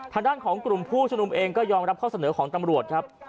ทางด้านของกลุ่มผู้ชมนุมเองก็ยอมรับข้อเสนอของตำรวจครับ